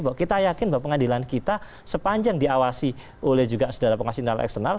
bahwa kita yakin bahwa pengadilan kita sepanjang diawasi oleh juga sedara pengawas internal eksternal